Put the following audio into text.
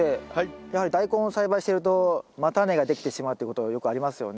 やはりダイコンを栽培してると叉根ができてしまうっていうことがよくありますよね。